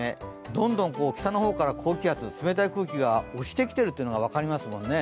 どんどん北の方から高気圧、冷たい空気が押してきてるのが分かりますもんね。